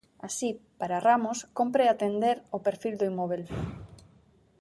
Así, para Ramos, cómpre atender o perfil do inmóbel.